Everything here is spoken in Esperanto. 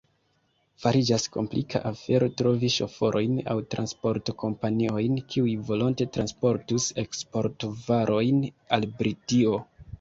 Fariĝas komplika afero trovi ŝoforojn aŭ transportkompaniojn, kiuj volonte transportus eksportvarojn al Britio.